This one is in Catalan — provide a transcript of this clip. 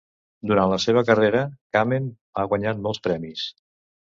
Durant la seva carrera, Kamen ha guanyat molts premis.